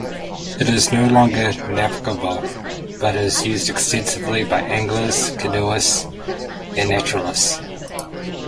It is no longer navigable, but is used extensively by anglers, canoeists, and naturalists.